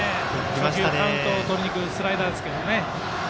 初球カウントをとりにくるスライダーですけど。